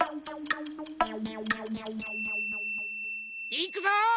いくぞ。